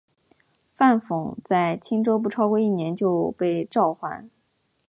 范讽在青州不超过一年就被召还。